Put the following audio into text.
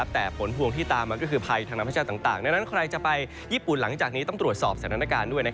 แต่ผลพวงที่ตามมาก็คือภัยทางธรรมชาติต่างดังนั้นใครจะไปญี่ปุ่นหลังจากนี้ต้องตรวจสอบสถานการณ์ด้วย